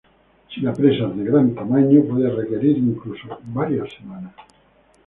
Si la presa es de gran tamaño, puede requerir incluso varias semanas.